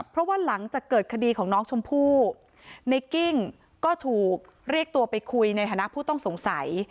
เพราะว่าหลังจากเกิดคดีของน้องชมพู่ในกิ้งก็ถูกเรียกตัวไปคุยในฐานะผู้ต้องสงสัย